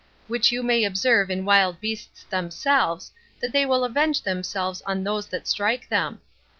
which you may observe in wild beasts themselves, that they will avenge themselves on those that strike them.